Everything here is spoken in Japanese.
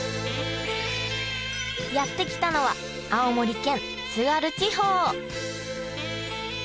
やって来たのは青森県津軽地方！